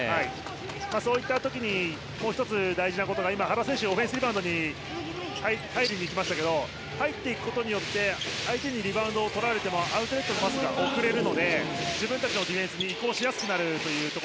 そういった時にもう１つ大事なことが今、原選手がオフェンスリバウンドに入りに行きましたが入っていくことで相手にリバウンドをとられても相手はパスが遅れるので自分たちのディフェンスに移行しやすくなります。